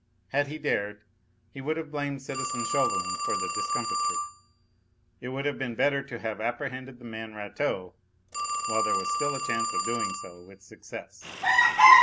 Had he dared, he would have blamed citizen Chauvelin for the discomfiture. It would have been better to have apprehended the man Rateau while there was a chance of doing so with success.